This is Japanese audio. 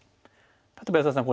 例えば安田さん